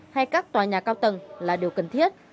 hay các tòa nhà cao tầng là điều cần thiết